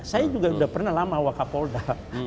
saya juga udah pernah lama waka polda